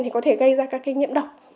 thì có thể gây ra các cái nhiễm độc